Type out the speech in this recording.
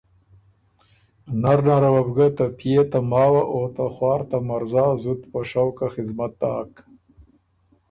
نرنره وه بُو ګۀ ته پئے، ته ماوه، او ته خوار ته مرزا زُت په شوقه خدمت داک۔